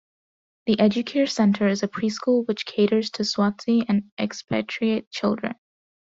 The Edu-care Centre is a preschool which caters to Swazi and expatriate children.